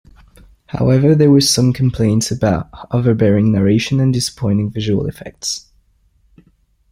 However, there were some complaints about overbearing narration and disappointing visual effects.